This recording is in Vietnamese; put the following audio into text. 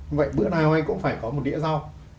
như vậy bữa nào anh cũng phải có một đĩa rau